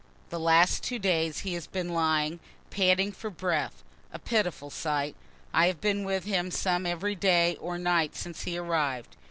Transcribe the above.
The last two days he has been lying panting for breath a pitiful sight. I have been with him some every day or night since he arrived.